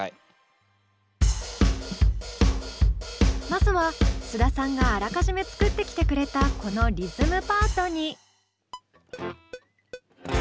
まずは須田さんがあらかじめ作ってきてくれたこのリズムパートに。